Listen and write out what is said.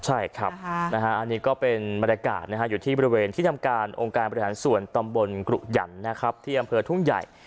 อันนี้ก็เป็นบริการอยู่ที่บริเวณที่ทำการองค์การประหลาดส่วนตำบลกรุหยันที่อำเภอทุ่งใหญ่